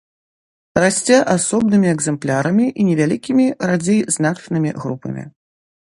Расце асобнымі экземплярамі і невялікімі, радзей значнымі групамі.